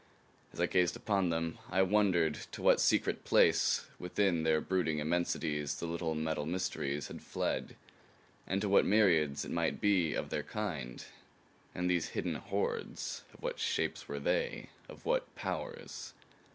As I gazed upon them I wondered to what secret place within their brooding immensities the little metal mysteries had fled. And to what myriads, it might be, of their kind? And these hidden hordes of what shapes were they? Of what powers?